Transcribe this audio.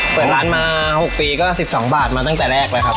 เปิดร้านมา๖ปีก็๑๒บาทมาตั้งแต่แรกเลยครับ